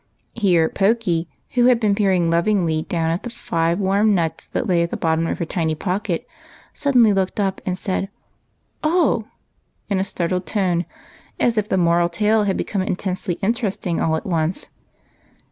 Here Pokey, who had been peering lovingly down at the five warm nuts that. lay at the bottom of her tiny pocket, suddenly looked up and said, " Oh !" in a startled tone, as if the moral tale had become intensely interesting all at once.